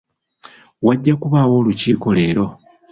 Wajja kubaawo olukiiko leero.